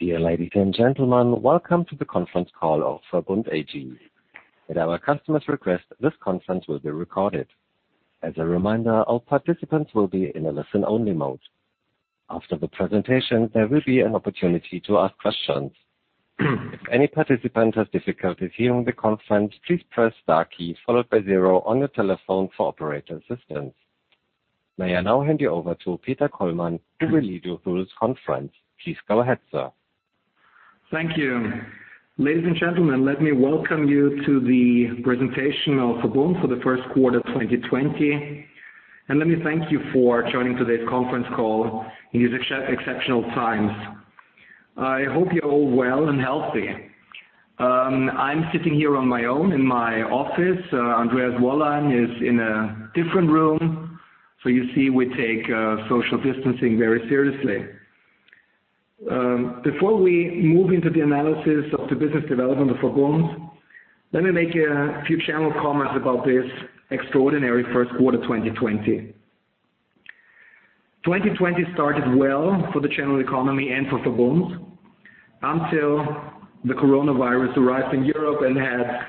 Dear ladies and gentlemen, welcome to the conference call of VERBUND AG. At our customer's request, this conference will be recorded. As a reminder, all participants will be in a listen-only mode. After the presentation, there will be an opportunity to ask questions. If any participant has difficulties hearing the conference, please press star key followed by zero on your telephone for operator assistance. May I now hand you over to Peter Kollmann who will lead you through this conference. Please go ahead, sir. Thank you. Ladies and gentlemen, let me welcome you to the presentation of VERBUND for the first quarter of 2020, let me thank you for joining today's conference call in these exceptional times. I hope you're all well and healthy. I'm sitting here on my own in my office. Andreas Wollein is in a different room, you see we take social distancing very seriously. Before we move into the analysis of the business development of VERBUND, let me make a few general comments about this extraordinary first quarter 2020. 2020 started well for the general economy and for VERBUND until the coronavirus arrived in Europe and had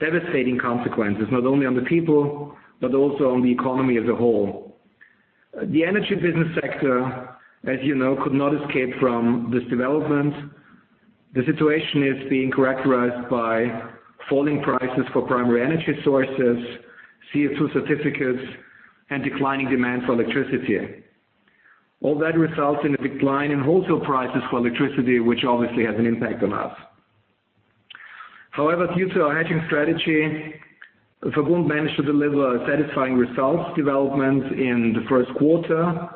devastating consequences not only on the people but also on the economy as a whole. The energy business sector, as you know, could not escape from this development. The situation is being characterized by falling prices for primary energy sources, CO₂ certificates, and declining demand for electricity. All that results in a decline in wholesale prices for electricity, which obviously has an impact on us. However, due to our hedging strategy, VERBUND managed to deliver a satisfying results development in the first quarter,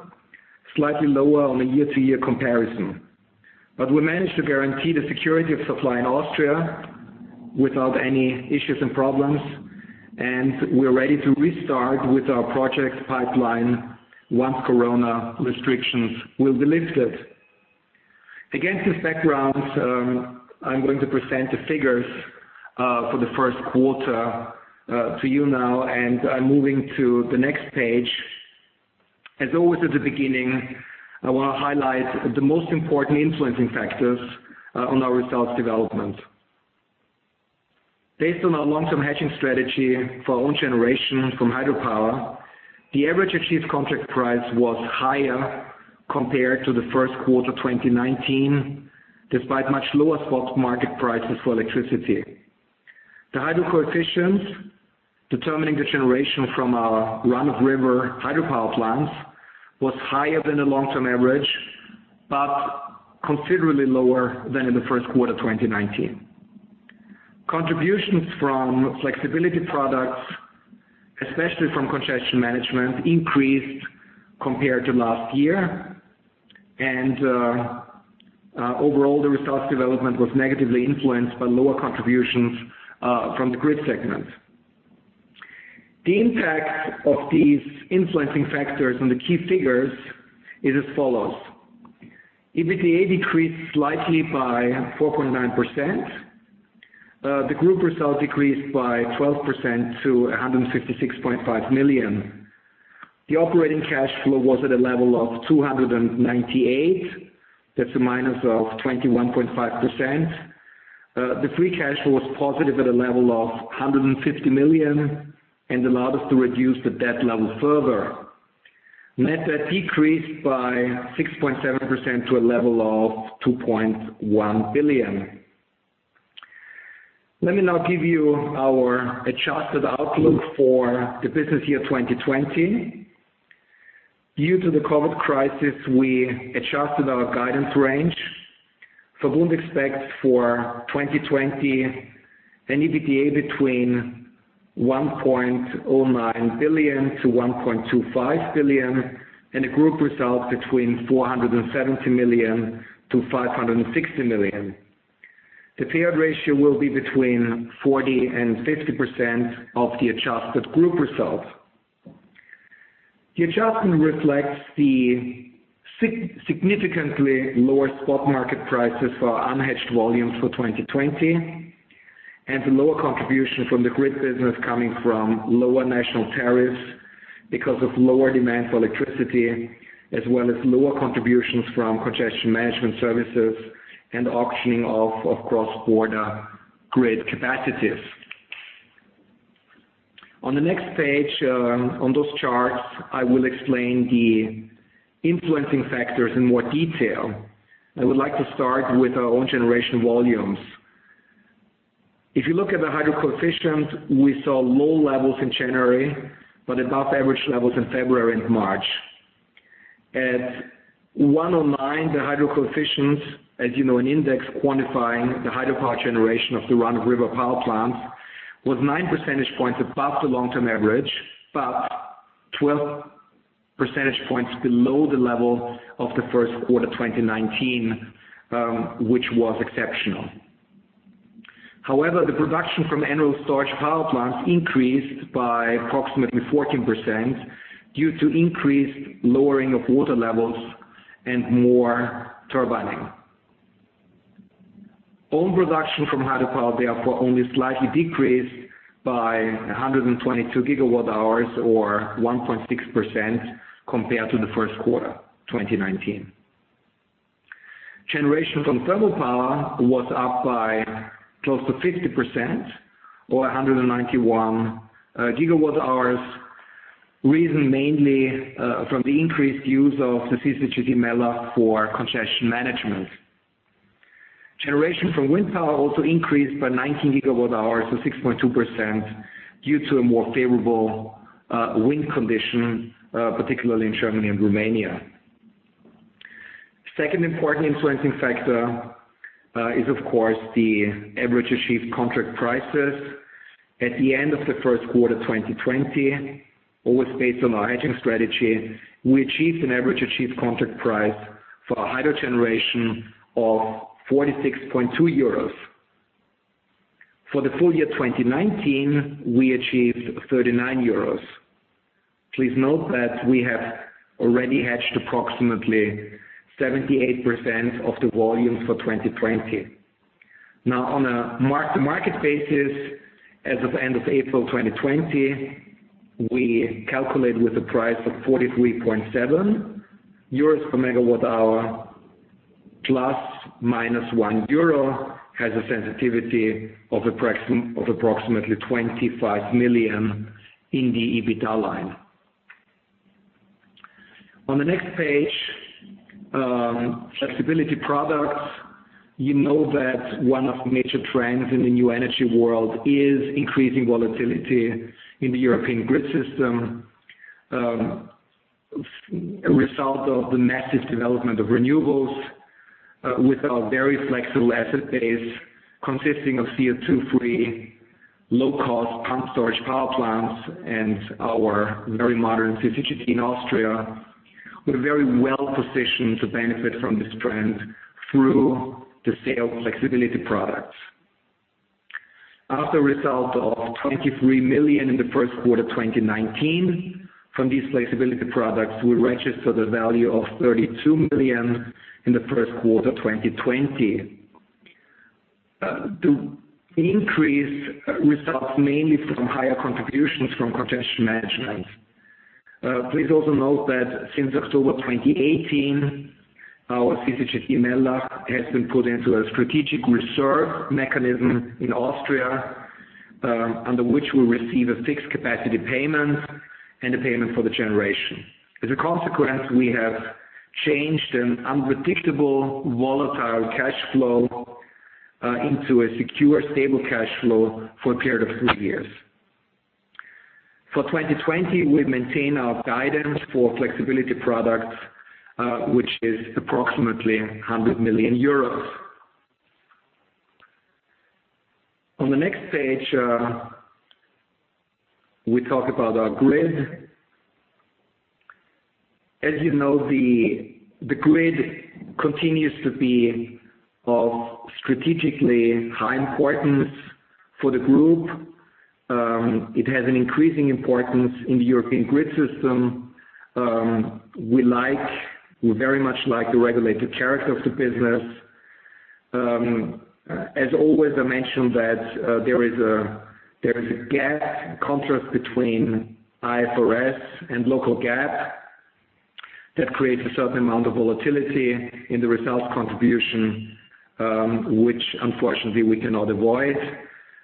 slightly lower on a year-over-year comparison. We managed to guarantee the security of supply in Austria without any issues and problems, and we're ready to restart with our project pipeline once corona restrictions will be lifted. Against this background, I'm going to present the figures for the first quarter to you now, and I'm moving to the next page. As always at the beginning, I want to highlight the most important influencing factors on our results development. Based on our long-term hedging strategy for own generation from hydropower, the average achieved contract price was higher compared to the first quarter 2019, despite much lower spot market prices for electricity. The hydro coefficients determining the generation from our run-of-river hydropower plants was higher than the long-term average, but considerably lower than in the first quarter 2019. Contributions from flexibility products, especially from congestion management, increased compared to last year. Overall, the results development was negatively influenced by lower contributions from the grid segment. The impact of these influencing factors on the key figures is as follows. EBITDA decreased slightly by 4.9%. The group results decreased by 12% to 156.5 million. The operating cash flow was at a level of 298 million. That's a minus of 21.5%. The free cash flow was positive at a level of 150 million and allowed us to reduce the debt level further. Net debt decreased by 6.7% to a level of 2.1 billion. Let me now give you our adjusted outlook for the business year 2020. Due to the COVID-19 crisis, we adjusted our guidance range. VERBUND expects for 2020 an EBITDA between 1.09 billion-1.25 billion and a group result between 470 million-560 million. The payout ratio will be between 40% and 50% of the adjusted group result. The adjustment reflects the significantly lower spot market prices for our unhedged volumes for 2020 and the lower contribution from the grid business coming from lower national tariffs because of lower demand for electricity, as well as lower contributions from congestion management services and auctioning of cross-border grid capacities. On the next page, on those charts, I will explain the influencing factors in more detail. I would like to start with our own generation volumes. If you look at the hydro coefficients, we saw low levels in January, but above average levels in February and March. At 109, the hydro coefficients, as you know, an index quantifying the hydropower generation of the run-of-river power plants, was 9 percentage points above the long-term average, but 12 percentage points below the level of the first quarter 2019, which was exceptional. However, the production from annual storage power plants increased by approximately 14% due to increased lowering of water levels and more turbining. Own production from hydropower, therefore only slightly decreased by 122 GWh or 1.6% compared to the first quarter 2019. Generation from thermal power was up by close to 50% or 191 GWh, reason mainly from the increased use of the CCGT Mellach for congestion management. Generation from wind power also increased by 90 GWh to 6.2% due to a more favorable wind condition, particularly in Germany and Romania. Second important influencing factor is, of course, the average achieved contract prices. At the end of the first quarter 2020, always based on our hedging strategy, we achieved an average achieved contract price for our hydro generation of 46.2 euros. For the full year 2019, we achieved 39 euros. Please note that we have already hedged approximately 78% of the volumes for 2020. On a market basis, as of end of April 2020, we calculate with a price of 43.7 euros per MWh, ± 1 euro, has a sensitivity of approximately 25 million in the EBITDA line. On the next page, flexibility products. You know that one of the major trends in the new energy world is increasing volatility in the European grid system, a result of the massive development of renewables with our very flexible asset base consisting of CO₂-free, low-cost pumped storage power plants and our very modern CCGT in Austria. We're very well positioned to benefit from this trend through the sale of flexibility products. As a result of 23 million in the first quarter 2019 from these flexibility products, we registered a value of 32 million in the first quarter 2020. The increase results mainly from higher contributions from congestion management. Please also note that since October 2018, our CCGT Mellach has been put into a strategic reserve mechanism in Austria, under which we receive a fixed capacity payment and a payment for the generation. As a consequence, we have changed an unpredictable, volatile cash flow into a secure, stable cash flow for a period of three years. For 2020, we maintain our guidance for flexibility products, which is approximately EUR 100 million. On the next page, we talk about our grid. As you know, the grid continues to be of strategically high importance for the group. It has an increasing importance in the European grid system. We very much like the regulated character of the business. As always, I mention that there is a gap, a contrast between IFRS and local GAAP that creates a certain amount of volatility in the results contribution, which unfortunately we cannot avoid.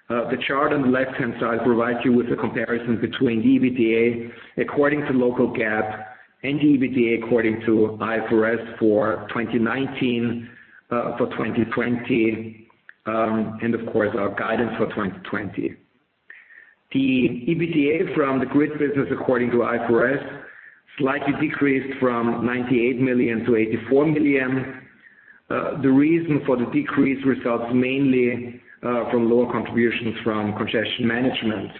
The chart on the left-hand side provides you with a comparison between the EBITDA according to local GAAP and the EBITDA according to IFRS for 2019, for 2020, and of course, our guidance for 2020. The EBITDA from the grid business according to IFRS slightly decreased from 98 million to 84 million. The reason for the decrease results mainly from lower contributions from congestion management.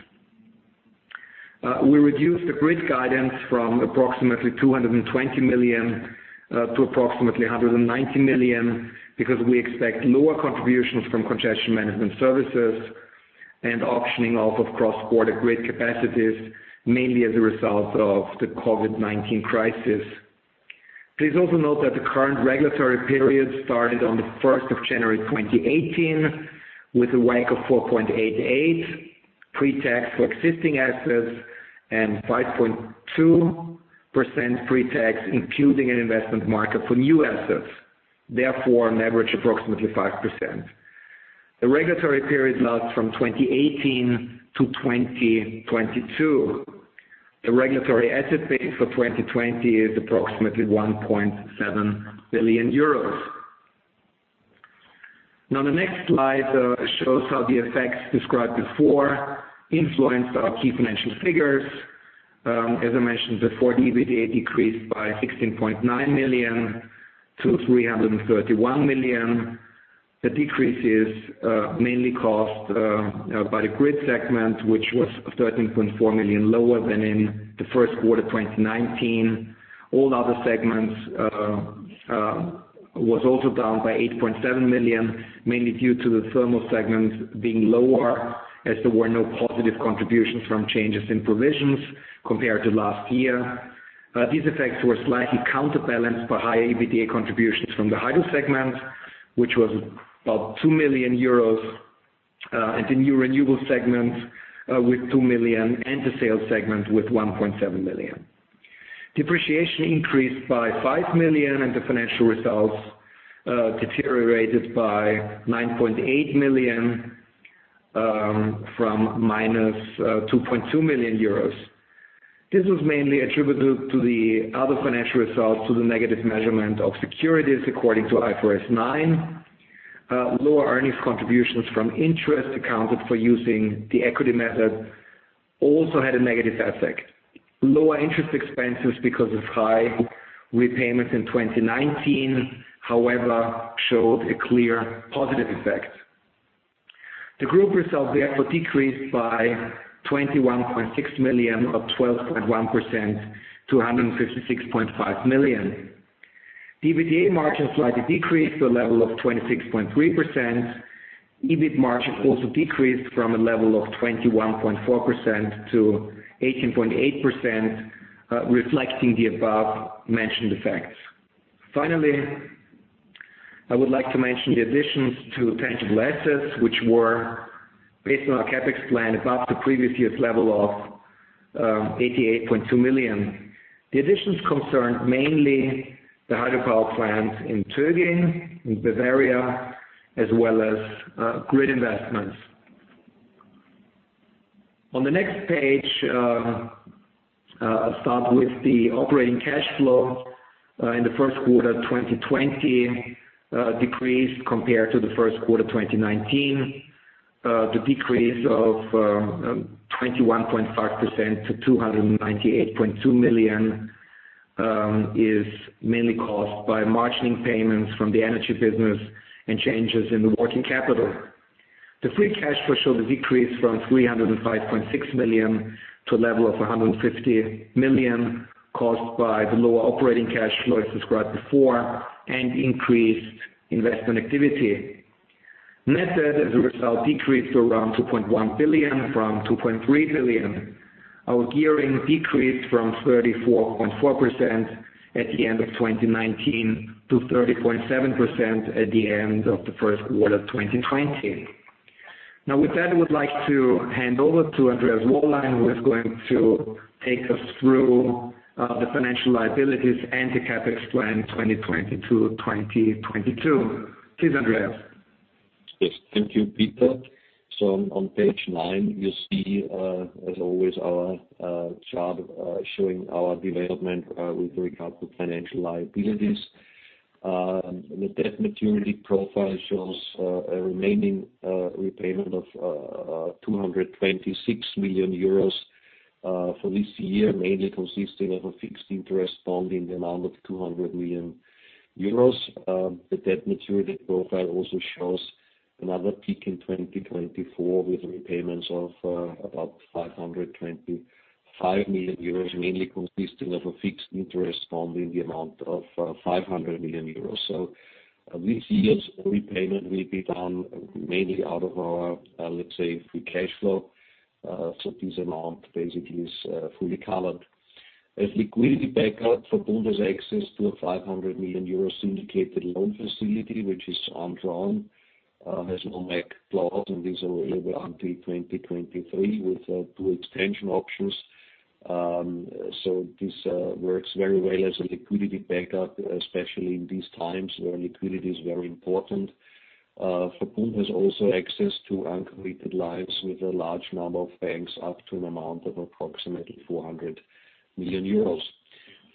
We reduced the grid guidance from approximately 220 million to approximately 190 million because we expect lower contributions from congestion management services and auctioning off of cross-border grid capacities, mainly as a result of the COVID-19 crisis. Please also note that the current regulatory period started on the 1st January 2018 with a WACC of 4.88% pre-tax for existing assets and 5.2% pre-tax, including an investment markup for new assets, therefore an average of approximately 5%. The regulatory period lasts from 2018 to 2022. The regulatory asset base for 2020 is approximately 1.7 billion euros. The next slide shows how the effects described before influenced our key financial figures. As I mentioned before, the EBITDA decreased by 16.9 million to 331 million. The decrease is mainly caused by the grid segment, which was 13.4 million lower than in the first quarter 2019. All other segments was also down by 8.7 million, mainly due to the thermal segment being lower as there were no positive contributions from changes in provisions compared to last year. These effects were slightly counterbalanced by high EBITDA contributions from the hydro segment, which was about 2 million euros, and the new renewable segment with 2 million, and the sales segment with 1.7 million. Depreciation increased by 5 million, the financial results deteriorated by 9.8 million from minus 2.2 million euros. This was mainly attributed to the other financial results, to the negative measurement of securities according to IFRS 9. Lower earnings contributions from interest accounted for using the equity method also had a negative effect. Lower interest expenses because of high repayments in 2019, however, showed a clear positive effect. The group results therefore decreased by 21.6 million of 12.1% to 156.5 million. EBITDA margin slightly decreased to a level of 26.3%. EBIT margin also decreased from a level of 21.4% to 18.8%, reflecting the above-mentioned effects. Finally, I would like to mention the additions to tangible assets, which were based on our CapEx plan above the previous year's level of 88.2 million. The additions concerned mainly the hydropower plants in Töging, in Bavaria, as well as grid investments. On the next page, I'll start with the operating cash flow in the first quarter of 2020, decreased compared to the first quarter of 2019. The decrease of 21.5% to 298.2 million is mainly caused by margining payments from the energy business and changes in the working capital. The free cash flow showed a decrease from 305.6 million to a level of 150 million, caused by the lower operating cash flow I described before and increased investment activity. Net debt as a result decreased to around 2.1 billion from 2.3 billion. Our gearing decreased from 34.4% at the end of 2019 to 30.7% at the end of the first quarter of 2020. With that, I would like to hand over to Andreas Wollein, who is going to take us through the financial liabilities and the CapEx plan 2020 to 2022. Please, Andreas. Yes. Thank you, Peter. On page nine, you see, as always, our chart showing our development with regard to financial liabilities. The debt maturity profile shows a remaining repayment of 226 million euros for this year, mainly consisting of a fixed interest bond in the amount of 200 million euros. The debt maturity profile also shows another peak in 2024 with repayments of about 525 million euros, mainly consisting of a fixed interest bond in the amount of 500 million euros. This year's repayment will be done mainly out of our, let's say, free cash flow. This amount basically is fully covered. As liquidity backup for VERBUND's access to a 500 million euro syndicated loan facility, which is undrawn, has no MAC clause, and is available until 2023 with two extension options. This works very well as a liquidity backup, especially in these times where liquidity is very important. VERBUND has also access to uncommitted lines with a large number of banks up to an amount of approximately 400 million euros.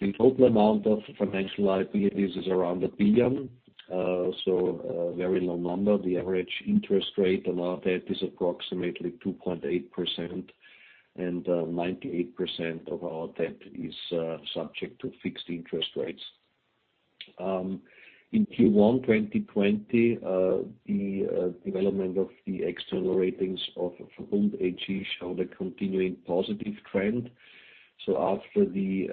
The total amount of financial liabilities is around 1 billion, a very low number. The average interest rate on our debt is approximately 2.8%, 98% of our debt is subject to fixed interest rates. In Q1 2020, the development of the external ratings of VERBUND AG showed a continuing positive trend. After the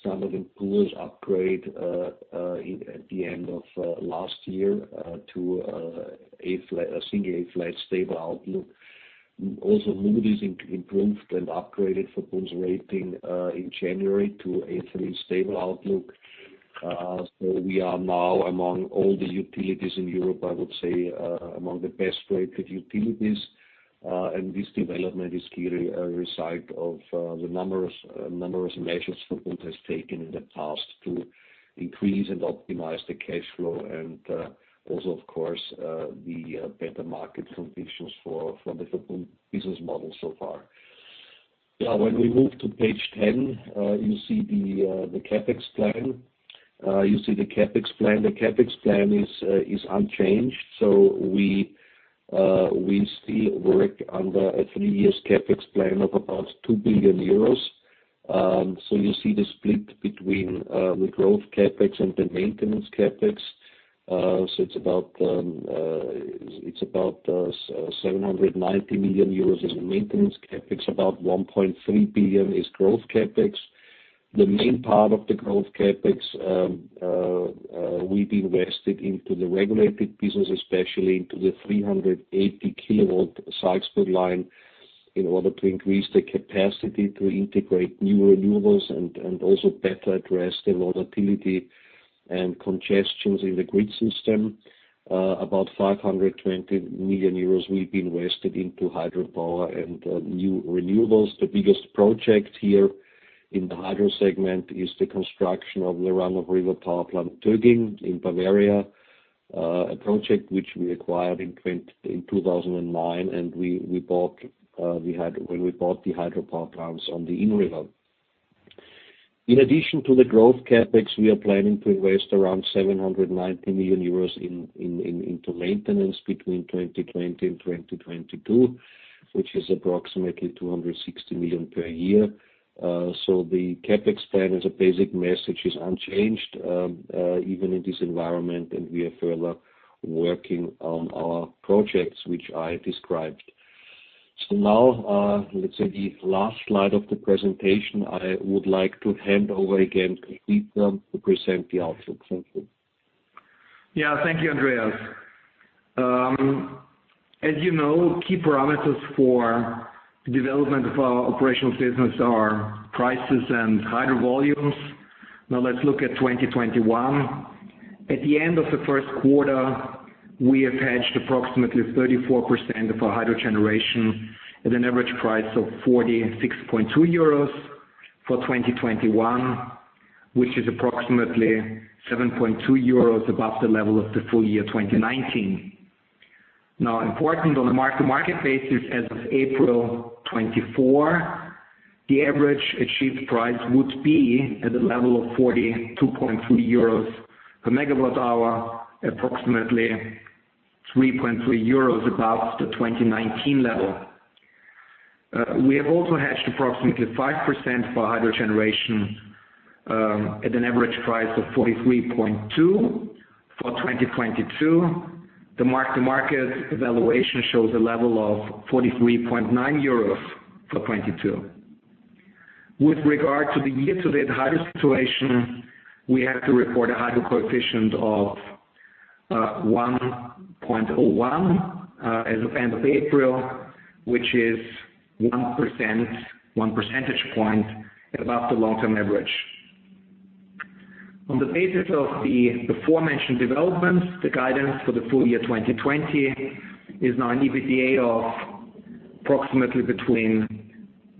Standard & Poor's upgrade at the end of last year to a single A flat stable outlook, also Moody's improved and upgraded VERBUND's rating in January to A3 stable outlook. We are now among all the utilities in Europe, I would say, among the best-rated utilities. This development is clearly a result of the numerous measures VERBUND has taken in the past to increase and optimize the cash flow and also, of course, the better market conditions for the VERBUND business model so far. When we move to page 10, you see the CapEx plan. You see the CapEx plan. The CapEx plan is unchanged. We still work under a three years CapEx plan of about 2 billion euros. You see the split between the growth CapEx and the maintenance CapEx. It's about 790 million euros as a maintenance CapEx, about 1.3 billion is growth CapEx. The main part of the growth CapEx, we've invested into the regulated business, especially into the 380-kV Salzburg line. In order to increase the capacity to integrate new renewables and also better address the volatility and congestions in the grid system, about 520 million euros will be invested into hydropower and new renewables. The biggest project here in the hydro segment is the construction of the run-of-river power plant, Töging, in Bavaria. A project which we acquired in 2009, and when we bought the hydropower plants on the Inn River. In addition to the growth CapEx, we are planning to invest around 790 million euros into maintenance between 2020 and 2022, which is approximately 260 million per year. The CapEx plan as a basic message is unchanged, even in this environment, and we are further working on our projects, which I described. Now, let's say the last slide of the presentation, I would like to hand over again to Peter to present the outlook. Thank you. Thank you, Andreas. As you know, key parameters for the development of our operations business are prices and hydro volumes. Let's look at 2021. At the end of the first quarter, we have hedged approximately 34% of our hydro generation at an average price of 46.2 euros for 2021, which is approximately 7.2 euros above the level of the full year 2019. Importantly, on a mark-to-market basis as of April 24, the average achieved price would be at the level of 42.3 euros per MWh, approximately 3.3 euros above the 2019 level. We have also hedged approximately 5% for hydro generation, at an average price of 43.2 for 2022. The mark-to-market evaluation shows a level of 43.9 euros for 2022. With regard to the year-to-date hydro situation, we have to report a hydro coefficient of 1.01, as of end of April, which is 1%, one percentage point above the long-term average. On the basis of the aforementioned developments, the guidance for the full year 2020 is now an EBITDA of approximately between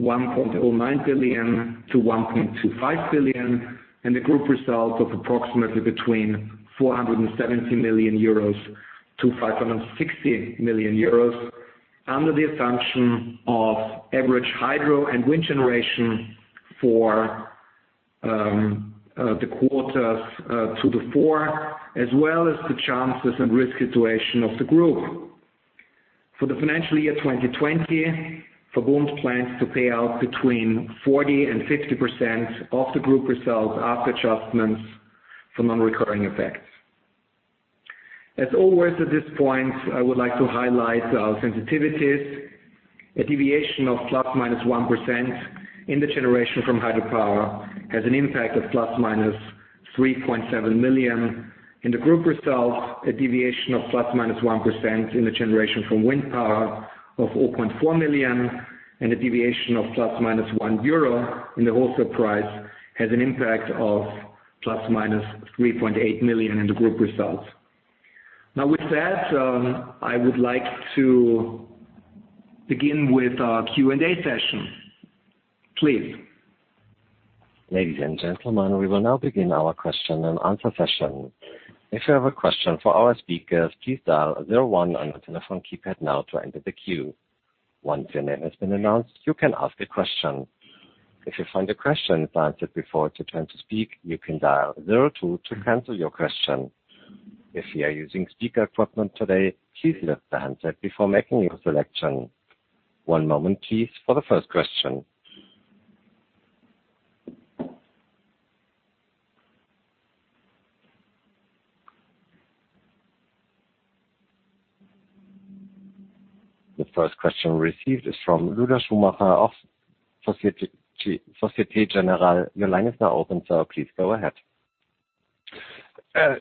1.09 billion-1.25 billion, and the group result of approximately between 470 million-560 million euros, under the assumption of average hydro and wind generation for the quarters two to four, as well as the chances and risk situation of the group. For the financial year 2020, VERBUND plans to pay out between 40% and 50% of the group results after adjustments for non-recurring effects. As always at this point, I would like to highlight our sensitivities. A deviation of ±1% in the generation from hydropower has an impact of ± 3.7 million in the group results, a deviation of ±1% in the generation from wind power of 0.4 million, and a deviation of ± 1 euro in the wholesale price has an impact of ± 3.8 million in the group results. With that, I would like to begin with our Q&A session. Please. Ladies and gentlemen, we will now begin our question-and-answer session. If you have a question for our speakers, please dial zero one on your telephone keypad now to enter the queue. Once your name has been announced, you can ask a question. If you find your question has answered before it's your turn to speak, you can dial zero two to cancel your question. If you are using speaker equipment today, please lift the handset before making your selection. One moment please for the first question. The first question received is from Lueder Schumacher of Société Générale. Your line is now open, sir. Please go ahead.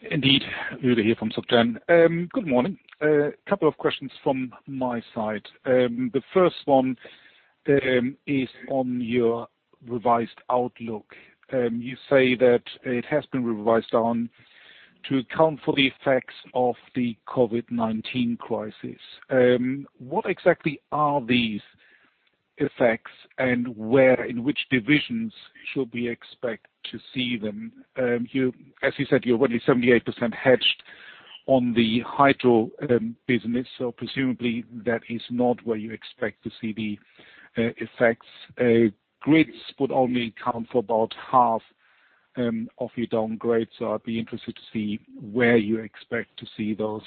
Indeed, Lueder here from SocGen. Good morning. A couple of questions from my side. The first one is on your revised outlook. You say that it has been revised down to account for the effects of the COVID-19 crisis. What exactly are these effects and where, in which divisions should we expect to see them? As you said, you're already 78% hedged on the hydro business. Presumably that is not where you expect to see the effects. Grids would only account for about half of your downgrades. I'd be interested to see where you expect to see those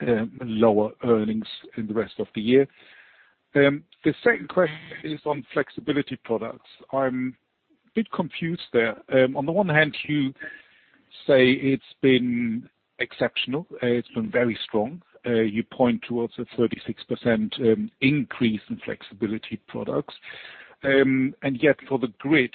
lower earnings in the rest of the year. The second question is on flexibility products. I'm a bit confused there. On the one hand, you say it's been exceptional, it's been very strong. You point towards a 36% increase in flexibility products. Yet for the grids,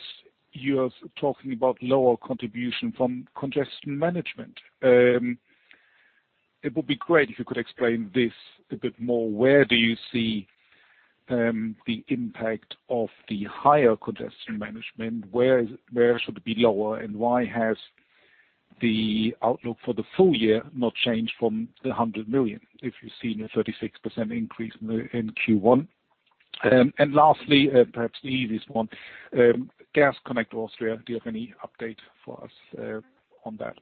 you are talking about lower contribution from congestion management. It would be great if you could explain this a bit more. Where do you see the impact of the higher congestion management? Where should it be lower, why has the outlook for the full year not changed from the 100 million, if you've seen a 36% increase in Q1? Lastly, perhaps the easiest one, Gas Connect Austria, do you have any update for us on that?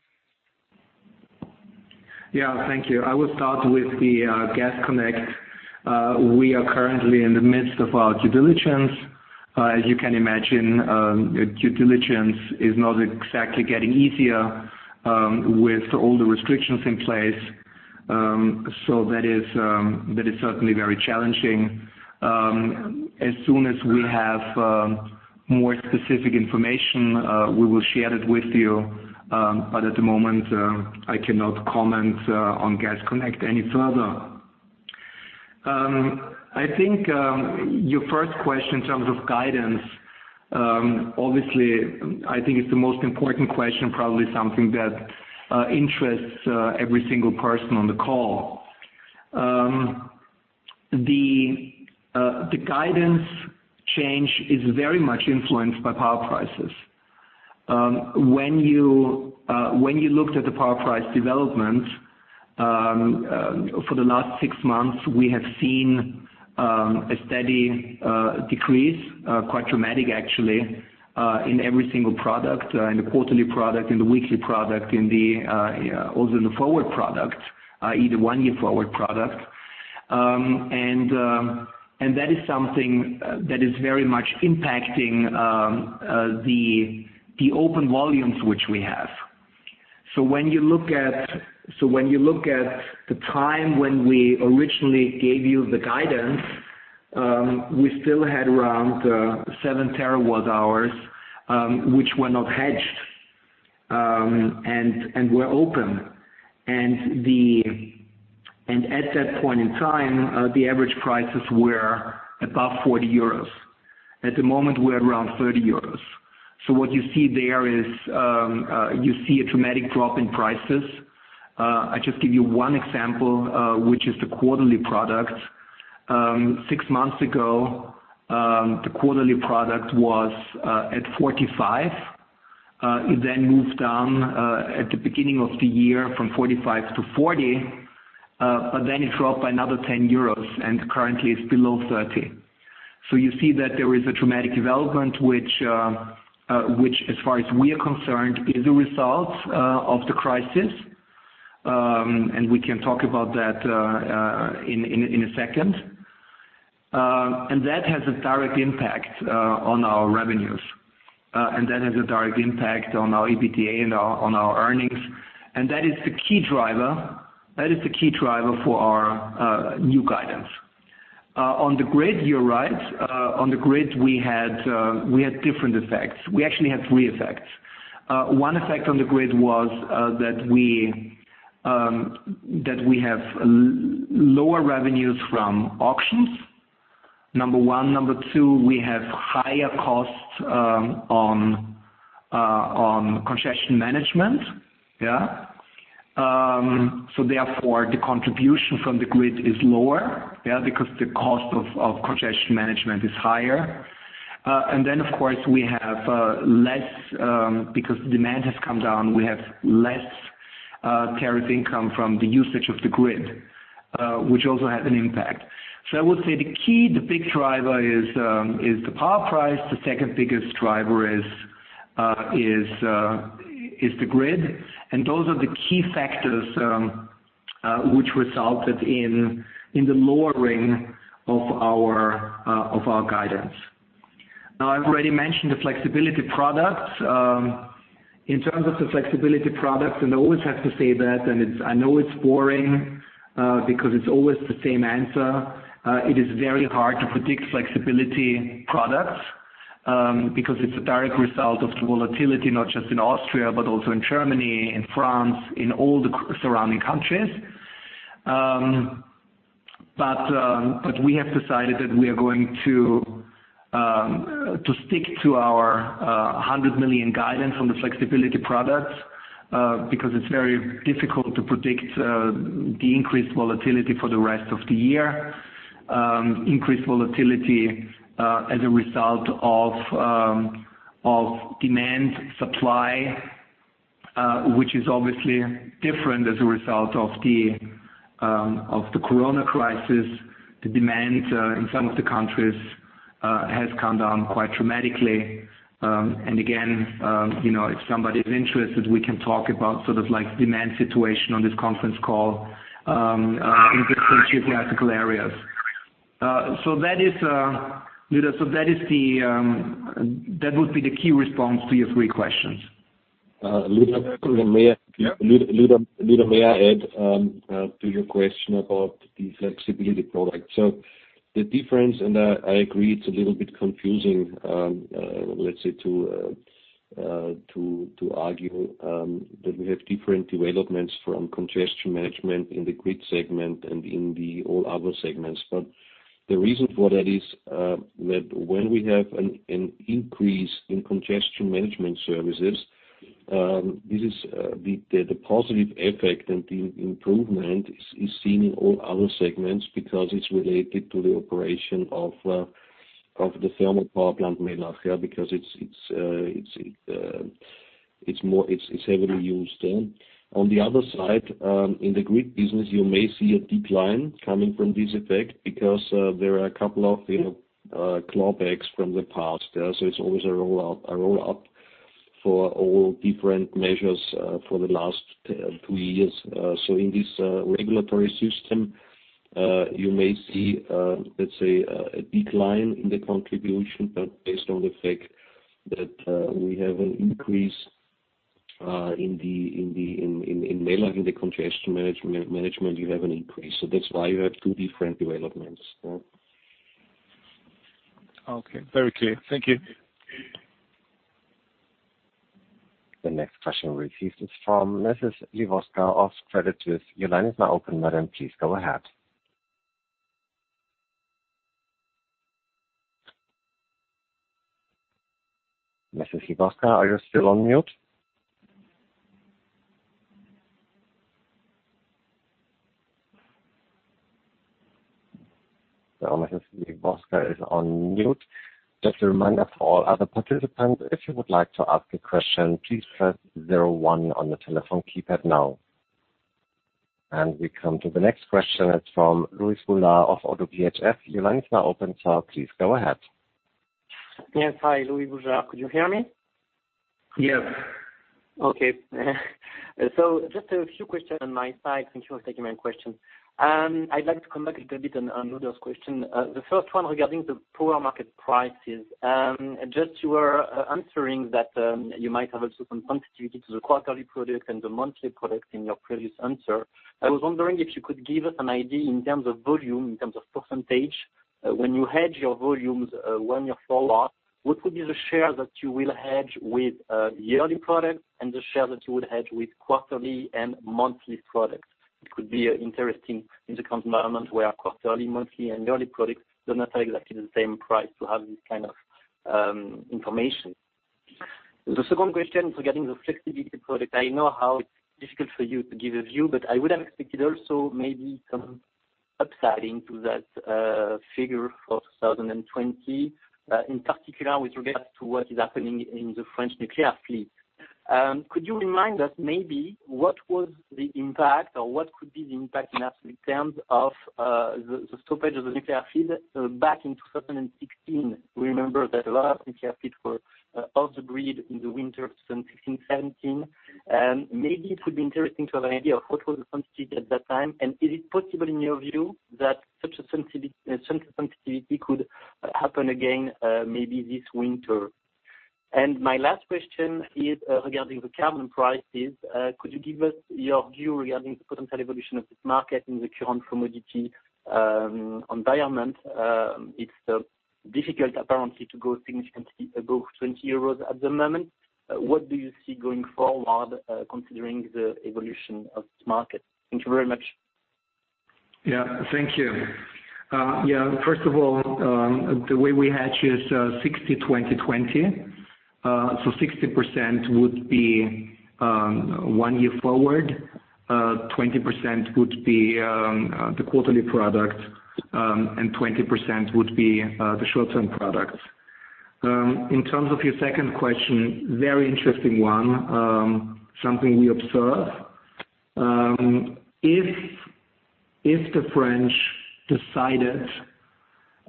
Yeah. Thank you. I will start with the Gas Connect. We are currently in the midst of our due diligence. As you can imagine, due diligence is not exactly getting easier with all the restrictions in place. That is certainly very challenging. As soon as we have more specific information, we will share that with you. At the moment, I cannot comment on Gas Connect any further. I think your first question in terms of guidance, obviously, I think it's the most important question, probably something that interests every single person on the call. The guidance change is very much influenced by power prices. When you looked at the power price development for the last six months, we have seen a steady decrease, quite dramatic actually, in every single product, in the quarterly product, in the weekly product, also in the forward product, either one-year forward product. That is something that is very much impacting the open volumes which we have. When you look at the time when we originally gave you the guidance, we still had around 7 TWh, which were not hedged and were open. At that point in time, the average prices were above 40 euros. At the moment, we are around 30 euros. What you see there is, you see a dramatic drop in prices. I just give you one example, which is the quarterly product. Six months ago, the quarterly product was at 45, then moved down at the beginning of the year from 45 to 40, but then it dropped by another 10 euros, and currently it's below 30. You see that there is a dramatic development, which as far as we are concerned, is a result of the crisis. We can talk about that in a second. That has a direct impact on our revenues, and that has a direct impact on our EBITDA and on our earnings, and that is the key driver for our new guidance. On the grid, you are right. On the grid, we had different effects. We actually had three effects. One effect on the grid was that we have lower revenues from auctions, number one. Number two, we have higher costs on congestion management. Yeah. Therefore, the contribution from the grid is lower. Yeah. Because the cost of congestion management is higher. Then, of course, because demand has come down, we have less tariff income from the usage of the grid, which also has an impact. I would say the key, the big driver is the power price. The second biggest driver is the grid. Those are the key factors which resulted in the lowering of our guidance. I've already mentioned the flexibility products. In terms of the flexibility products, and I always have to say that, and I know it's boring, because it's always the same answer. It is very hard to predict flexibility products, because it's a direct result of the volatility, not just in Austria, but also in Germany, in France, in all the surrounding countries. We have decided that we are going to stick to our 100 million guidance on the flexibility products, because it's very difficult to predict the increased volatility for the rest of the year. Increased volatility as a result of demand supply, which is obviously different as a result of the Corona crisis. The demand in some of the countries has come down quite dramatically. Again, if somebody is interested, we can talk about demand situation on this conference call in the geographical areas. That would be the key response to your three questions. Lueder, may I add to your question about the flexibility product. The difference, and I agree it's a little bit confusing, let's say, to argue that we have different developments from congestion management in the grid segment and in the all other segments, but the reason for that is that when we have an increase in congestion management services, the positive effect and the improvement is seen in all other segments because it's related to the operation of the thermal power plant Mellach because it's heavily used then. On the other side, in the grid business, you may see a decline coming from this effect because there are a couple of clawbacks from the past. It's always a roll-up for all different measures for the last two years. In this regulatory system, you may see, let's say, a decline in the contribution, but based on the fact that we have an increase in Mellach, in the congestion management, you have an increase. That's why you have two different developments. Okay. Very clear. Thank you. The next question received is from Mrs. Livowska of Credit Suisse. Your line is now open, madam, please go ahead. Mrs. Livowska, are you still on mute? Mrs. Livowska is on mute. Just a reminder for all other participants, if you would like to ask a question, please press zero one on your telephone keypad now. We come to the next question, it's from Louis Boujard of ODDO BHF. Your line is now open, sir. Please go ahead. Yes. Hi, Louis Boujard. Could you hear me? Yes. Just a few questions on my side. Thank you for taking my question. I'd like to come back a little bit on Ruediger's question. The first one regarding the power market prices. You were answering that you might have also some sensitivity to the quarterly product and the monthly product in your previous answer. I was wondering if you could give us an idea in terms of volume, in terms of percentage, when you hedge your volumes, when your forward, what would be the share that you will hedge with yearly products and the share that you would hedge with quarterly and monthly products? It could be interesting in the current environment where quarterly, monthly, and yearly products do not have exactly the same price to have this kind of information. The second question regarding the flexibility product, I know how difficult for you to give a view, but I would have expected also maybe some upsiding to that figure for 2020, in particular with regards to what is happening in the French nuclear fleet. Could you remind us maybe what was the impact or what could be the impact in absolute terms of the stoppage of the nuclear fleet back in 2016? We remember that a lot of nuclear fleet were out of grid in the winter of 2016, 2017. Maybe it would be interesting to have an idea of what was the sensitivity at that time, and is it possible in your view that such a sensitivity could happen again maybe this winter? My last question is regarding the carbon prices. Could you give us your view regarding the potential evolution of this market in the current commodity environment? It's difficult apparently to go significantly above 20 euros at the moment. What do you see going forward considering the evolution of this market? Thank you very much. Yeah. Thank you. First of all, the way we hedge is 60/20/20. 60% would be one year forward, 20% would be the quarterly product, and 20% would be the short-term product. In terms of your second question, very interesting one. Something we observe. If the French decided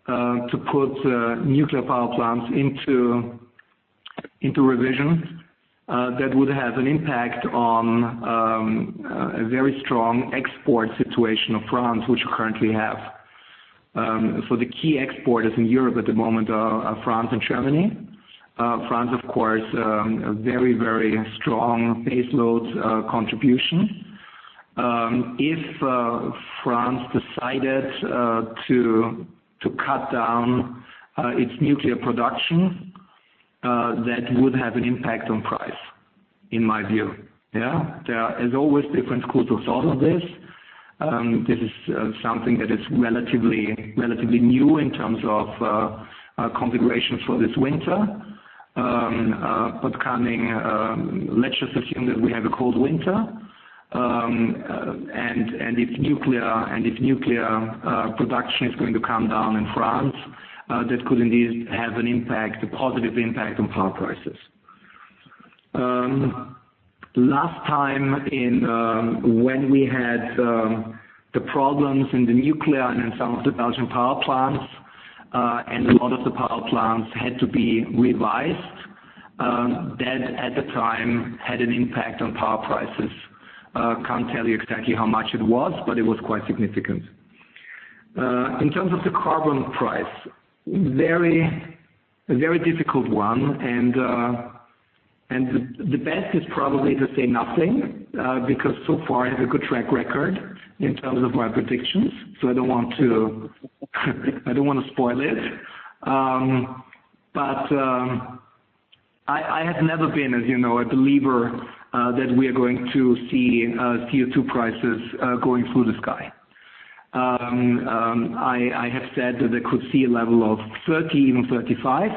to put nuclear power plants into revision, that would have an impact on a very strong export situation of France, which we currently have. The key exporters in Europe at the moment are France and Germany. France, of course, a very strong baseload contribution. If France decided to cut down its nuclear production, that would have an impact on price, in my view. There is always different schools of thought on this. This is something that is relatively new in terms of configuration for this winter. Let's just assume that we have a cold winter, and if nuclear production is going to come down in France, that could indeed have an impact, a positive impact on power prices. Last time when we had the problems in the nuclear and in some of the Belgian power plants, and a lot of the power plants had to be revised, that at the time had an impact on power prices. Can't tell you exactly how much it was, but it was quite significant. In terms of the carbon price, very difficult one, and the best is probably to say nothing, because so far I have a good track record in terms of my predictions, so I don't want to spoil it. I have never been, as you know, a believer that we are going to see CO₂ prices going through the sky. I have said that they could see a level of 30, even 35,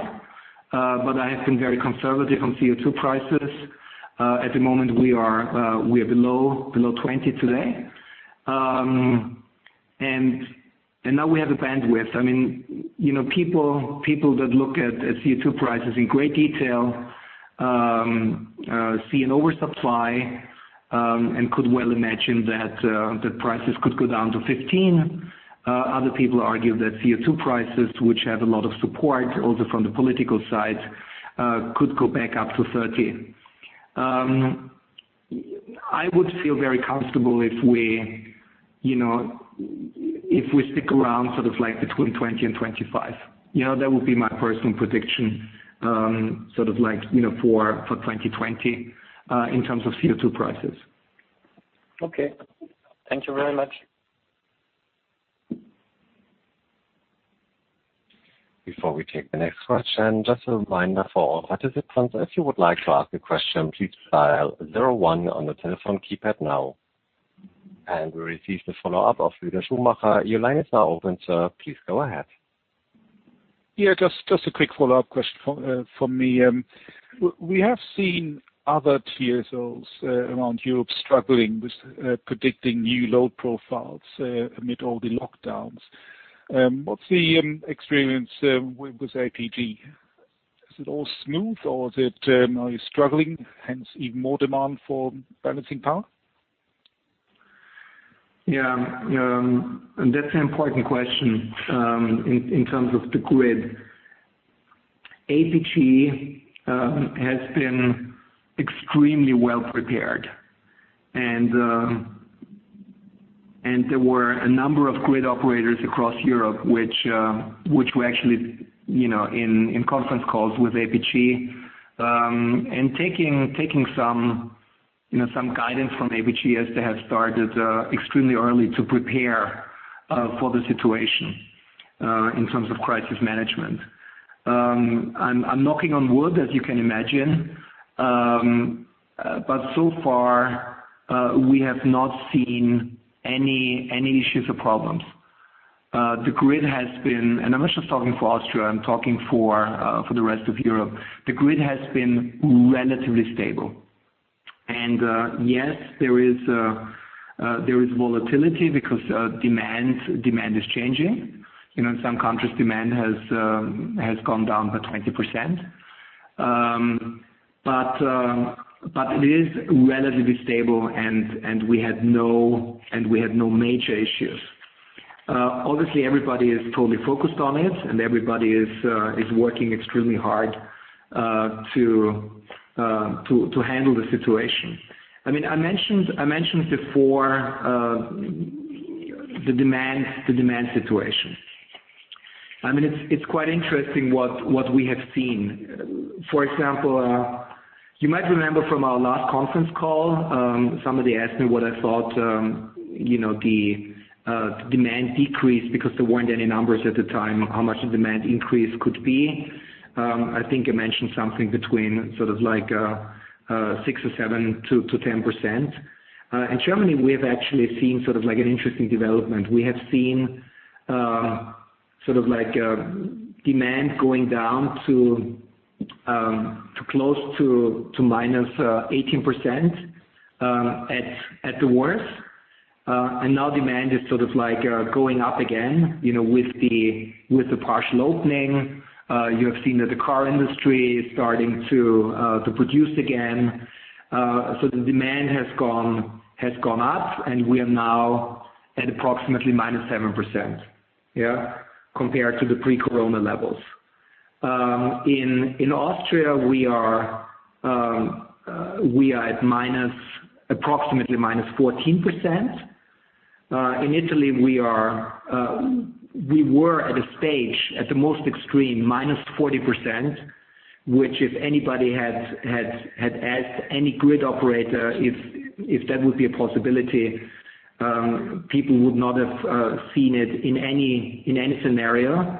but I have been very conservative on CO₂ prices. At the moment, we are below 20 today. Now we have a bandwidth. People that look at CO₂ prices in great detail see an oversupply and could well imagine that the prices could go down to 15. Other people argue that CO₂ prices, which have a lot of support also from the political side, could go back up to 30. I would feel very comfortable if we stick around sort of between 20 and 25. That would be my personal prediction for 2020, in terms of CO₂ prices. Okay. Thank you very much. Before we take the next question, just a reminder for all participants, if you would like to ask a question, please dial zero one on the telephone keypad now. We receive the follow-up of Lueder Schumacher. Your line is now open, sir. Please go ahead. Just a quick follow-up question from me. We have seen other TSOs around Europe struggling with predicting new load profiles amid all the lockdowns. What's the experience with APG? Is it all smooth or are you struggling, hence even more demand for balancing power? Yeah. That's an important question in terms of the grid. APG has been extremely well-prepared, and there were a number of grid operators across Europe which were actually in conference calls with APG, and taking some guidance from APG as they have started extremely early to prepare for the situation in terms of crisis management. I'm knocking on wood, as you can imagine, but so far, we have not seen any issues or problems. The grid has been, and I'm not just talking for Austria, I'm talking for the rest of Europe. The grid has been relatively stable. Yes, there is volatility because demand is changing. In some countries, demand has gone down by 20%. It is relatively stable, and we have no major issues. Obviously, everybody is totally focused on it, and everybody is working extremely hard to handle the situation. I mentioned before, the demand situation. It's quite interesting what we have seen. For example, you might remember from our last conference call, somebody asked me what I thought the demand decrease, because there weren't any numbers at the time, how much the demand increase could be. I think I mentioned something between sort of like 6% or 7% to 10%. In Germany, we have actually seen an interesting development. We have seen demand going down to close to -18% at the worst. Now demand is going up again, with the partial opening. You have seen that the car industry is starting to produce again. The demand has gone up, and we are now at approximately -7%, yeah, compared to the pre-coronavirus levels. In Austria, we are at approximately -14%. In Italy, we were at a stage, at the most extreme, -40%, which if anybody had asked any grid operator if that would be a possibility, people would not have seen it in any scenario.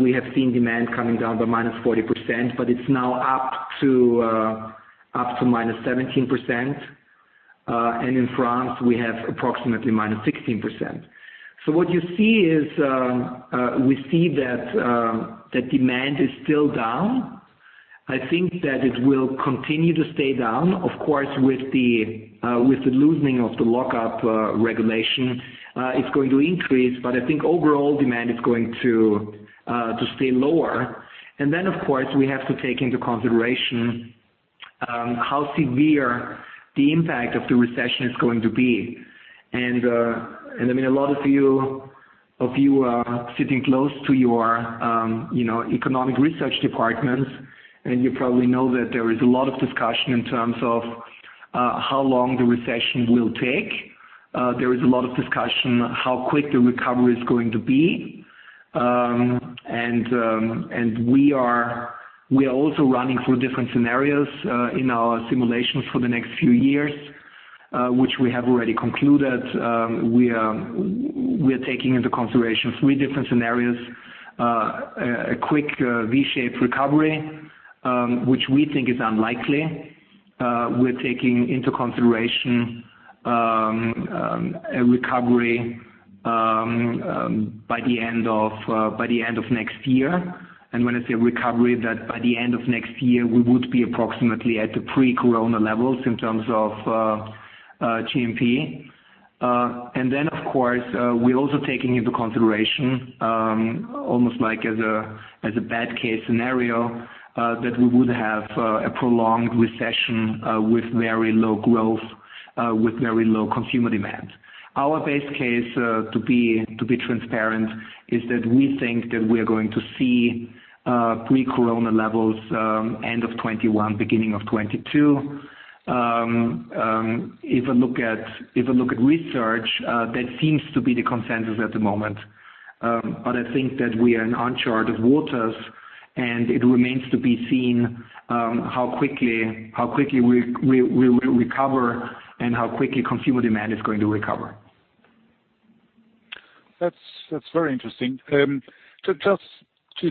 We have seen demand coming down by -40%, but it's now up to -17%. In France, we have approximately -16%. What you see is, we see that demand is still down. I think that it will continue to stay down. Of course, with the loosening of the lockup regulation, it's going to increase, but I think overall demand is going to stay lower. Of course, we have to take into consideration how severe the impact of the recession is going to be. A lot of you are sitting close to your economic research departments, and you probably know that there is a lot of discussion in terms of how long the recession will take. There is a lot of discussion how quick the recovery is going to be. We are also running through different scenarios in our simulations for the next few years, which we have already concluded. We are taking into consideration three different scenarios. A quick V-shaped recovery, which we think is unlikely. We're taking into consideration a recovery by the end of next year. When I say recovery, that by the end of next year, we would be approximately at the pre-COVID levels in terms of GDP. Of course, we're also taking into consideration, almost like as a bad case scenario, that we would have a prolonged recession with very low growth, with very low consumer demand. Our base case, to be transparent, is that we think that we are going to see pre-COVID levels end of 2021, beginning of 2022. If I look at research, that seems to be the consensus at the moment. I think that we are in uncharted waters, and it remains to be seen how quickly we will recover and how quickly consumer demand is going to recover. That's very interesting.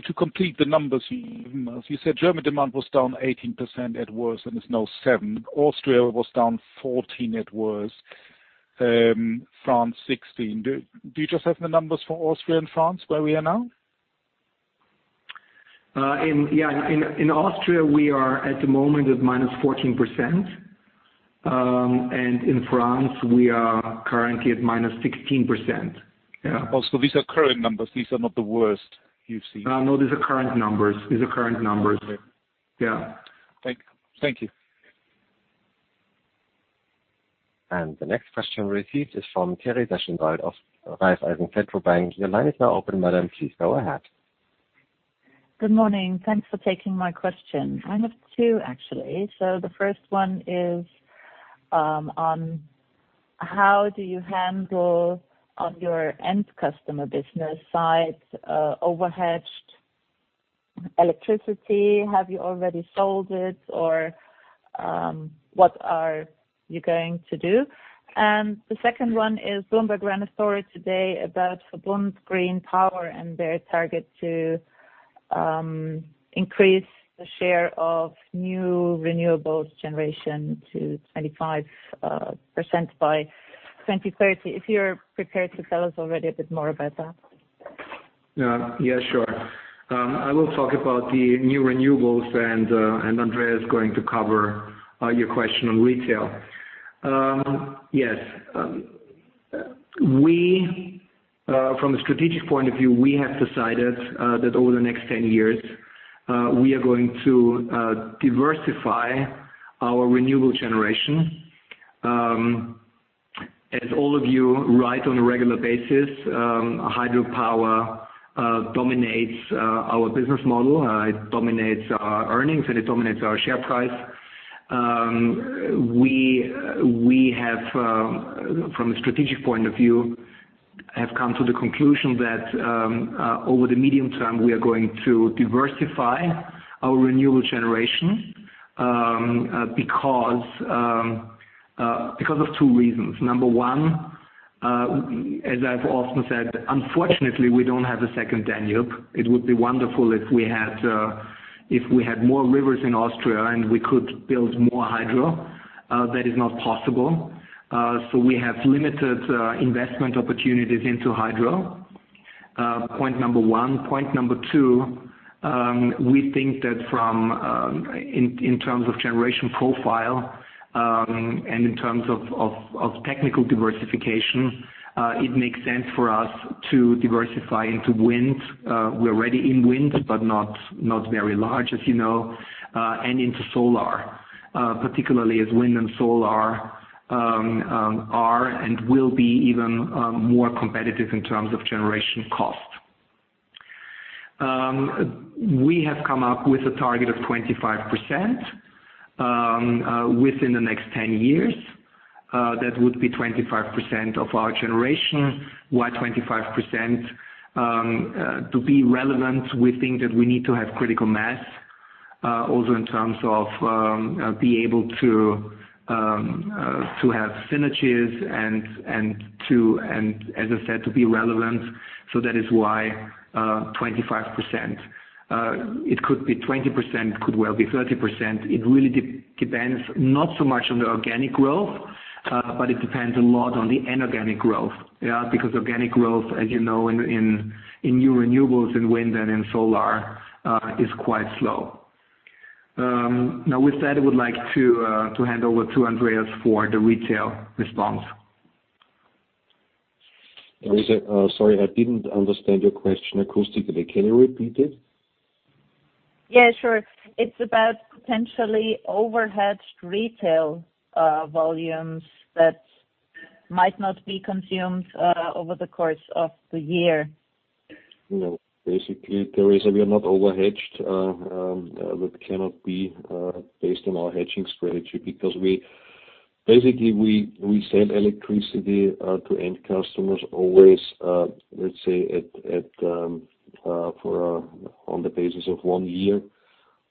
To complete the numbers, you said German demand was down 18% at worst, and it's now seven. Austria was down 14% at worst, France 16%. Do you just have the numbers for Austria and France, where we are now? Yeah. In Austria, we are at the moment at -14%, and in France, we are currently at -16%. Yeah. These are current numbers. These are not the worst you've seen. No, these are current numbers. Yeah. Thank you. The next question received is from Teresa Schinwald of Raiffeisen Centrobank. Your line is now open, madam. Please go ahead. Good morning. Thanks for taking my question. I have two, actually. The first one is on how do you handle on your end customer business side, overhedged electricity? Have you already sold it, or what are you going to do? The second one is Bloomberg ran a story today about VERBUND Green Power and their target to increase the share of new renewables generation to 25% by 2030. If you're prepared to tell us already a bit more about that. Yeah, sure. I will talk about the new renewables, and Andreas is going to cover your question on retail. Yes. From a strategic point of view, we have decided that over the next 10 years, we are going to diversify our renewable generation. As all of you write on a regular basis, hydropower dominates our business model. It dominates our earnings, and it dominates our share price. We, from a strategic point of view, have come to the conclusion that over the medium term, we are going to diversify our renewable generation, because of two reasons. Number one, as I've often said, unfortunately, we don't have a second Danube. It would be wonderful if we had more rivers in Austria and we could build more hydro. That is not possible. We have limited investment opportunities into hydro. Point number one. Point number two, we think that in terms of generation profile and in terms of technical diversification, it makes sense for us to diversify into wind. We're already in wind, but not very large, as you know, and into solar, particularly as wind and solar are and will be even more competitive in terms of generation cost. We have come up with a target of 25% within the next 10 years. That would be 25% of our generation. Why 25%? To be relevant, we think that we need to have critical mass, also in terms of being able to have synergies and, as I said, to be relevant. That is why 25%. It could be 20%, could well be 30%. It really depends not so much on the organic growth, but it depends a lot on the inorganic growth. Yeah. Because organic growth, as you know, in new renewables, in wind and in solar, is quite slow. Now, with that, I would like to hand over to Andreas for the retail response. Sorry, I didn't understand your question acoustically. Can you repeat it? Yeah, sure. It's about potentially overhedged retail volumes that might not be consumed over the course of the year. No, basically, Teresa, we are not overhedged. That cannot be based on our hedging strategy because basically, we sell electricity to end customers always, let's say, on the basis of one year.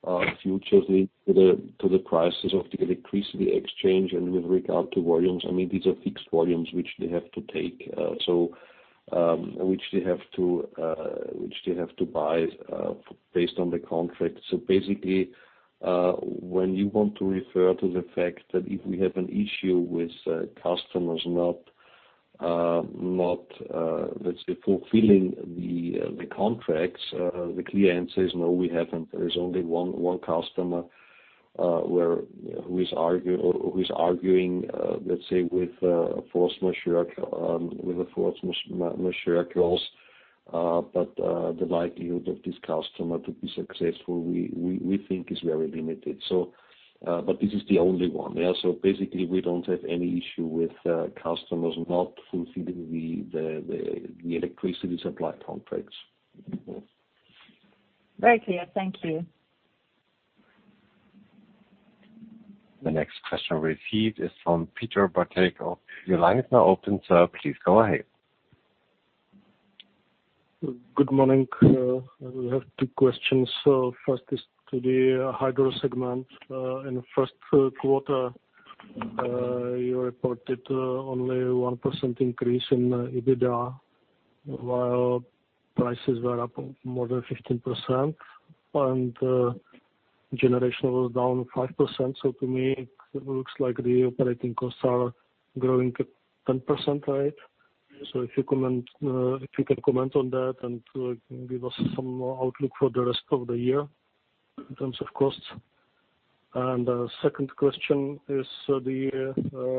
Are futures linked to the prices of the electricity exchange and with regard to volumes, these are fixed volumes which they have to take. Which they have to buy, based on the contract. Basically, when you want to refer to the fact that if we have an issue with customers not, let's say, fulfilling the contracts, the clear answer is no, we haven't. There is only one customer who is arguing, let's say, with a force majeure clause. The likelihood of this customer to be successful, we think is very limited. This is the only one. Yeah. Basically, we don't have any issue with customers not fulfilling the electricity supply contracts. Very clear. Thank you. The next question received is from Peter Bártfai. Your line is now open, sir. Please go ahead. Good morning. I have two questions. First is to the hydro segment. In the first quarter, you reported only 1% increase in EBITDA, while prices were up more than 15% and generation was down 5%. To me, it looks like the operating costs are growing at 10% rate. If you can comment on that and give us some more outlook for the rest of the year in terms of costs. Second question is the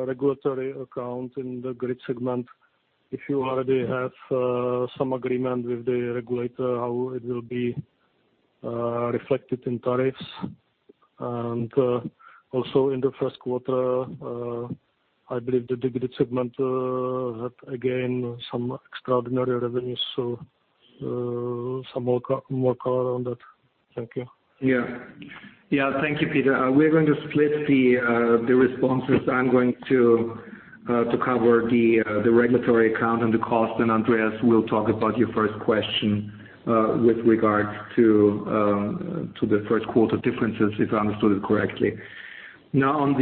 regulatory account in the grid segment. If you already have some agreement with the regulator, how it will be reflected in tariffs. Also in the first quarter, I believe the grid segment had, again, some extraordinary revenues. Some more color on that. Thank you. Yeah. Thank you, Peter. We're going to split the responses. I'm going to cover the regulatory account and the cost, and Andreas will talk about your first question, with regards to the first quarter differences, if I understood it correctly. On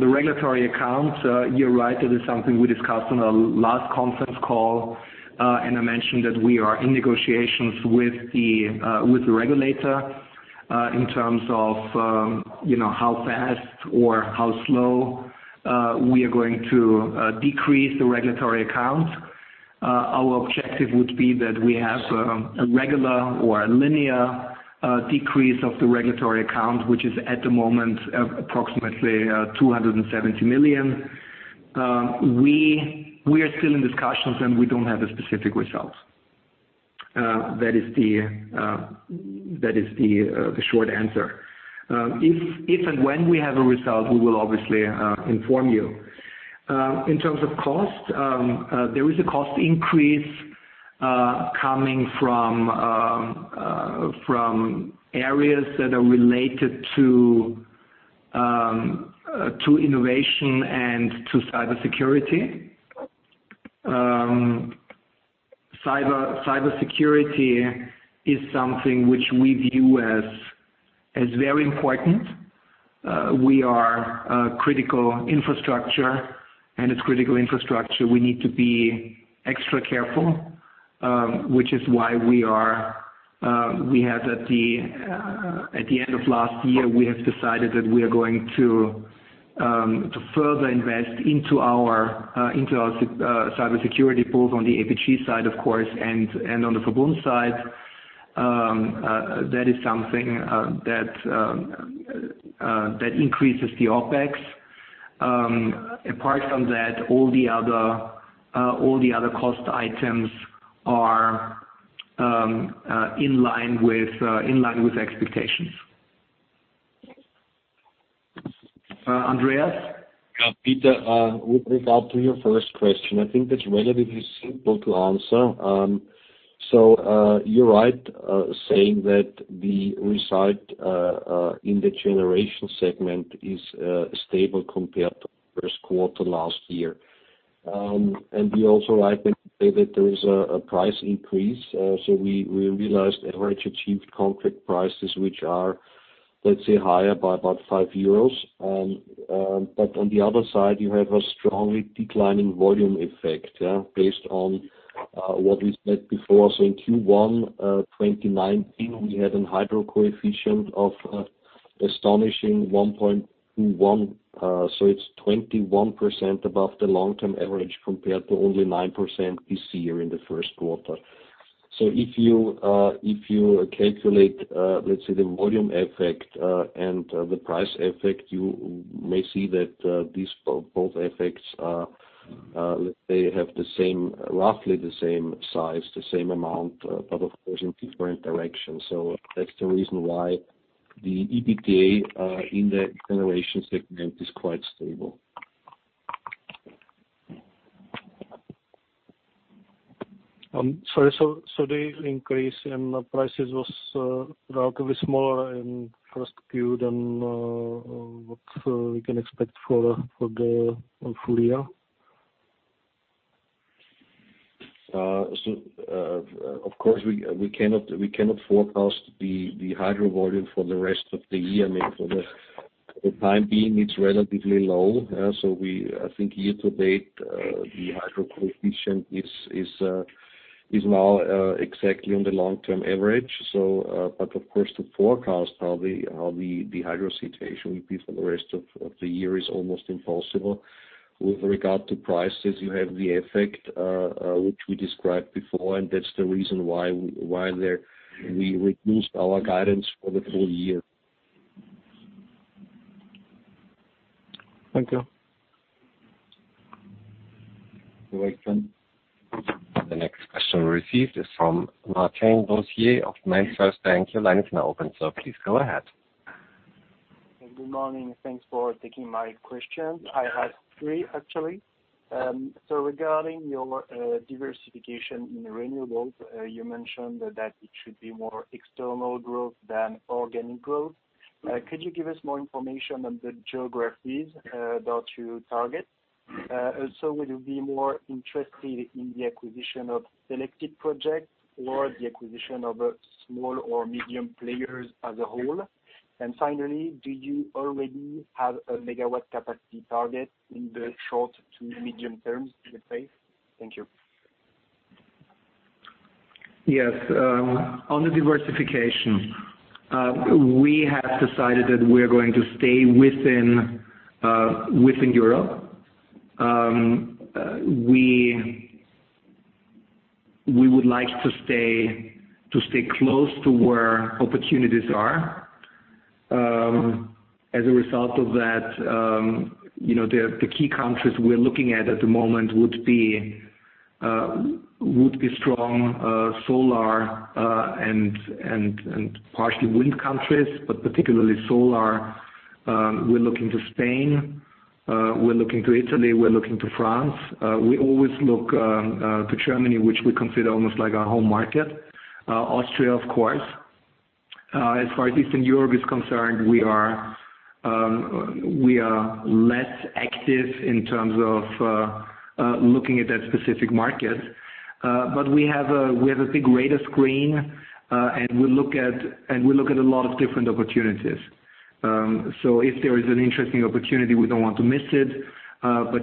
the regulatory account, you're right, that is something we discussed on our last conference call. I mentioned that we are in negotiations with the regulator, in terms of how fast or how slow we are going to decrease the regulatory account. Our objective would be that we have a regular or a linear decrease of the regulatory account, which is at the moment approximately 270 million. We are still in discussions, and we don't have a specific result. That is the short answer. If and when we have a result, we will obviously inform you. In terms of cost, there is a cost increase coming from areas that are related to innovation and to cybersecurity. Cybersecurity is something which we view as very important. We are a critical infrastructure, and as critical infrastructure, we need to be extra careful, which is why at the end of last year, we have decided that we are going to further invest into our cybersecurity, both on the APG side, of course, and on the VERBUND side. That is something that increases the OpEx. Apart from that, all the other cost items are in line with expectations. Andreas? Peter, with regard to your first question, I think that's relatively simple to answer. You're right saying that the result in the generation segment is stable compared to first quarter last year. We also like to say that there is a price increase. We realized average achieved contract prices, which are, let's say, higher by about 5 euros. On the other side, you have a strongly declining volume effect, based on what we said before. In Q1 2019, we had an hydro coefficient of astonishing 1.21. It's 21% above the long-term average compared to only 9% this year in the first quarter. If you calculate, let's say, the volume effect and the price effect, you may see that these both effects are, let's say, have roughly the same size, the same amount, but of course in different directions. That's the reason why the EBITDA in the generation segment is quite stable. Sorry. The increase in prices was relatively smaller in first Q than what we can expect for the full year? Of course, we cannot forecast the hydro volume for the rest of the year. For the time being, it's relatively low. I think year to date, the hydro coefficient is now exactly on the long-term average. Of course, to forecast how the hydro situation will be for the rest of the year is almost impossible. With regard to prices, you have the effect which we described before, and that's the reason why we reduced our guidance for the full year. Thank you. You're welcome. The next question received is from Martin Bossier of Erste Bank. Your line is now open, so please go ahead. Good morning. Thanks for taking my question. I have three, actually. Regarding your diversification in renewables, you mentioned that it should be more external growth than organic growth. Could you give us more information on the geographies that you target? Would you be more interested in the acquisition of selected projects or the acquisition of small or medium players as a whole? Finally, do you already have a MW capacity target in the short to medium term, let's say? Thank you. Yes. On the diversification, we have decided that we are going to stay within Europe. We would like to stay close to where opportunities are. As a result of that, the key countries we're looking at at the moment would be strong solar and partially wind countries, but particularly solar. We're looking to Spain, we're looking to Italy, we're looking to France. We always look to Germany, which we consider almost like our home market. Austria, of course. As far as Eastern Europe is concerned, we are less active in terms of looking at that specific market. We have a big radar screen, and we look at a lot of different opportunities. If there is an interesting opportunity, we don't want to miss it.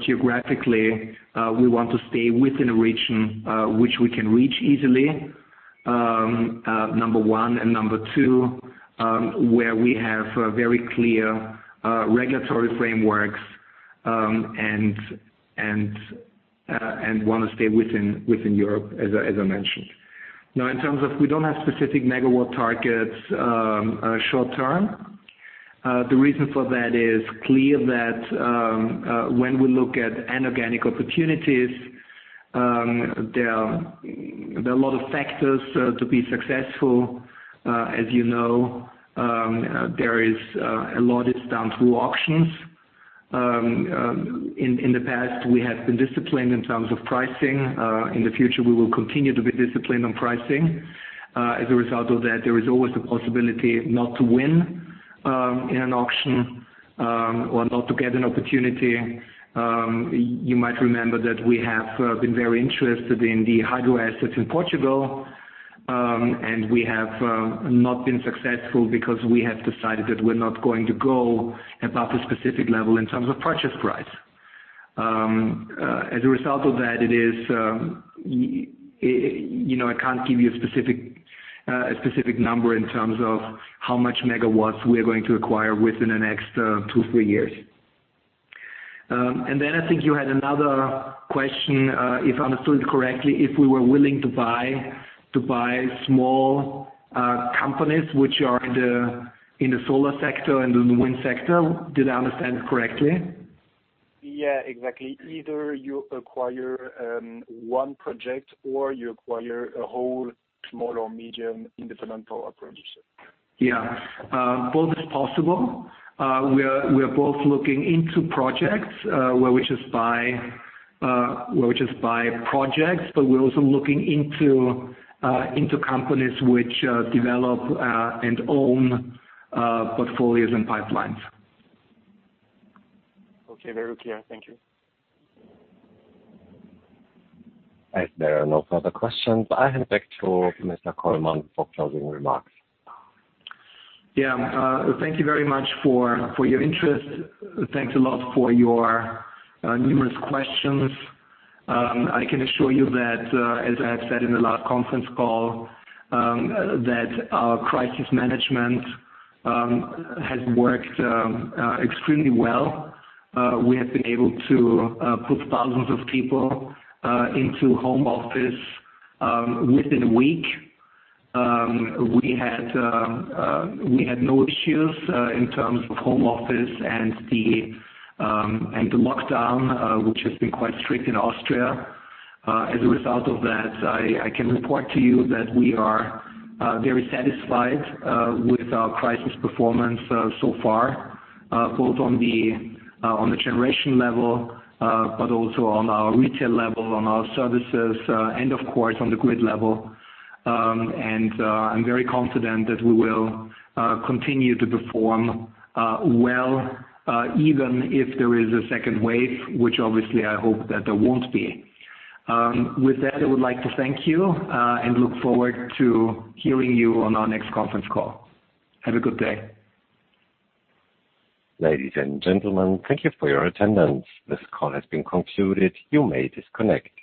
Geographically, we want to stay within a region which we can reach easily, number one. Number two, where we have very clear regulatory frameworks and want to stay within Europe, as I mentioned. In terms of we don't have specific MW targets short-term. The reason for that is clear that when we look at inorganic opportunities, there are a lot of factors to be successful. As you know, a lot is down to auctions. In the past, we have been disciplined in terms of pricing. In the future, we will continue to be disciplined on pricing. As a result of that, there is always a possibility not to win in an auction or not to get an opportunity. You might remember that we have been very interested in the hydro assets in Portugal, and we have not been successful because we have decided that we're not going to go above a specific level in terms of purchase price. As a result of that, I can't give you a specific number in terms of how much MW we are going to acquire within the next two, three years. I think you had another question, if I understood correctly, if we were willing to buy small companies which are in the solar sector and in the wind sector. Did I understand correctly? Yeah, exactly. Either you acquire one project or you acquire a whole small or medium independent power producer. Yeah. Both is possible. We are both looking into projects where we just buy projects, but we're also looking into companies which develop and own portfolios and pipelines. Okay. Very clear. Thank you. As there are no further questions, I hand back to Mr. Kollmann for closing remarks. Yeah. Thank you very much for your interest. Thanks a lot for your numerous questions. I can assure you that, as I have said in the last conference call, that our crisis management has worked extremely well. We have been able to put thousands of people into home office within a week. We had no issues in terms of home office and the lockdown, which has been quite strict in Austria. As a result of that, I can report to you that we are very satisfied with our crisis performance so far, both on the generation level, but also on our retail level, on our services, and of course, on the grid level. I'm very confident that we will continue to perform well, even if there is a second wave, which obviously I hope that there won't be. I would like to thank you and look forward to hearing you on our next conference call. Have a good day. Ladies and gentlemen, thank you for your attendance. This call has been concluded. You may disconnect.